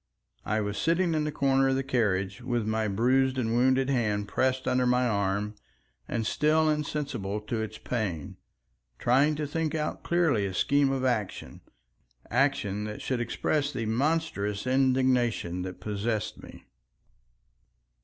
I was sitting in the corner of the carriage with my bruised and wounded hand pressed under my arm, and still insensible to its pain, trying to think out clearly a scheme of action—action that should express the monstrous indignation that possessed me.